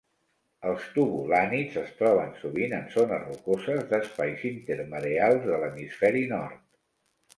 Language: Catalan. Els tubulànids es troben sovint en zones rocoses d'espais intermareals de l'hemisferi nord.